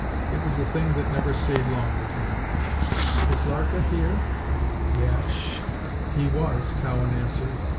It was a thing that never stayed long with him. "Is Larkin here?" he asked. "He was," Cowan answered.